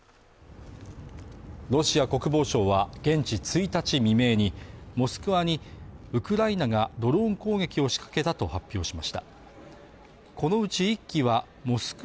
ロシア国防省は現地１日未明にモスクワにウクライナがドローン攻撃を仕掛けたと発表しました